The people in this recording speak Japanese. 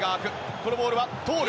このボールは通る。